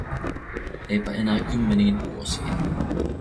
Eipä enää kymmeniin vuosiin.